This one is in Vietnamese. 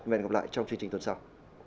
hẹn gặp lại trong chương trình tuần sau